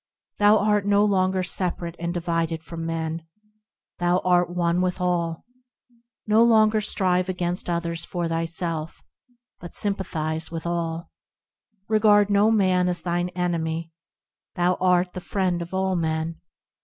Thou art no longer separate and divided from men, Thou art one with all ; No longer strive against others for thyself, But sympathise with all; Regard no man as thine enemy, Thou art the friend of all men.